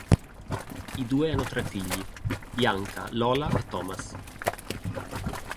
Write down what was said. I due hanno tre figli: Bianca, Lola e Thomas.